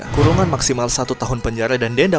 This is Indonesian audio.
kurungan maksimal satu tahun penjara dan denda